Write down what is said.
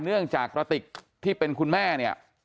เนื่องจากกระติกที่เป็นคุณแม่เนี่ย